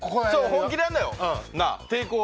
本気でやるなよ。